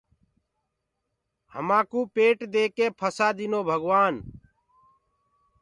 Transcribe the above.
همآنڪو پيٽ ديڪي ڦسآ دينو توڀگوآن